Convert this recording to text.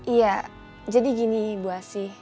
iya jadi gini ibu asih